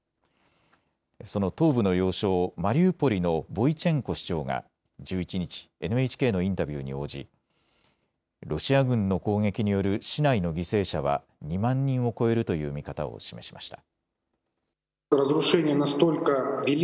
その東部の要衝マリウポリのボイチェンコ市長が１１日、ＮＨＫのインタビューに応じロシア軍の攻撃による市内の犠牲者は２万人を超えるという見方を示しました。